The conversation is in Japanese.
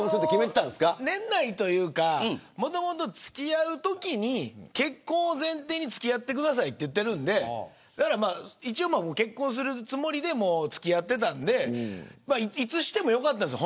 年内というかもともと付き合うときに結婚を前提に付き合ってくださいと言っているんで一応、結婚するつもりで付き合っていたんでいつしてもよかったんです。